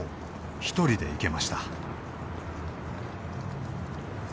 一人で行けました」